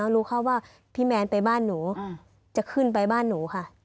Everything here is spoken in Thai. รู้แค่ว่าพี่แมนไปบ้านหนูจะขึ้นไปบ้านหนูค่ะ